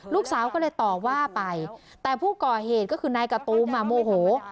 ลูกสาวก็เลยต่อว่าไปแต่ผู้ก่อเหตุก็คือนายกะตูมอ่ะโมโห